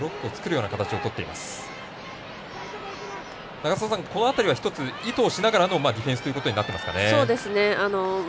永里さん、この辺りは一つ、意図をしながらのディフェンスということになってますかね。